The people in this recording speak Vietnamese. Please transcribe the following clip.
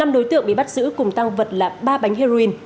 năm đối tượng bị bắt giữ cùng tăng vật là ba bánh heroin